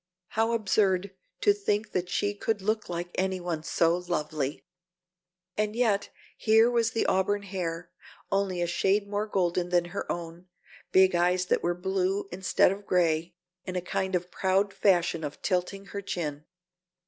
How absurd to think that she could look like any one so lovely! And yet here was the auburn hair, only a shade more golden than her own, big eyes that were blue instead of gray and a kind of proud fashion of tilting her chin.